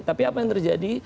tapi apa yang terjadi